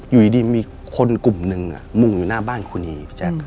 อยู่ดีมีคนกลุ่มนึงมุ่งอยู่หน้าบ้านคุณี